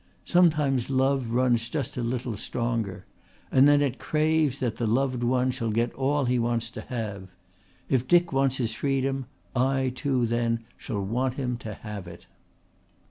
Sometimes love runs just a little stronger. And then it craves that the loved one shall get all he wants to have. If Dick wants his freedom I too, then, shall want him to have it."